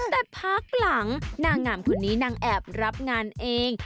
กลางละแสนสองแสนแต่พักหลังหน้างามคนนี้นางแอบรับงานเอง